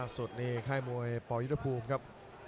สุดนี่ค่ายมวยปยุทธภูมิครับ